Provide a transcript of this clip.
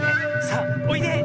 さあおいで！